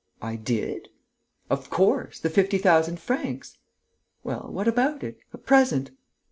"I did?..." "Of course.... The fifty thousand francs...." "Well, what about it? A present...."